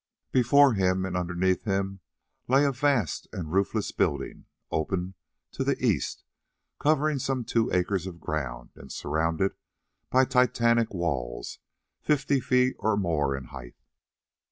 Before him and underneath him lay a vast and roofless building, open to the east, covering some two acres of ground, and surrounded by Titanic walls, fifty feet or more in height.